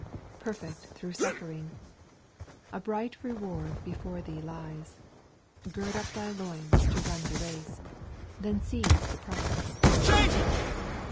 ) 4. ;' Perfect through suffering I A bright reward Before thee lies, Gird up thy loins to run the race ;— Then seize the prize.